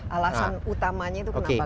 alasan utamanya itu kenapa